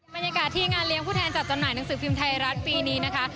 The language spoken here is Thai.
บรรยากาศที่งานเลี้ยงผู้แทนจัดจำหน่ายหนังสือพิมพ์ไทยรัฐปีนี้นะคะ